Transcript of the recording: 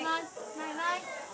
「バイバイ」。